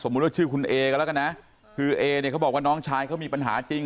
ว่าชื่อคุณเอกันแล้วกันนะคือเอเนี่ยเขาบอกว่าน้องชายเขามีปัญหาจริง